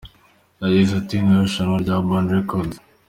Yagize ati “Ni irushanwa rya Urban Records.